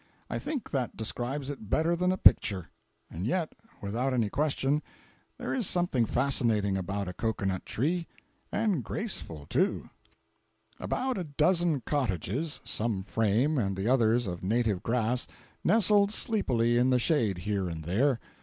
I think that describes it better than a picture—and yet, without any question, there is something fascinating about a cocoa nut tree—and graceful, too. 462.jpg (29K) About a dozen cottages, some frame and the others of native grass, nestled sleepily in the shade here and there.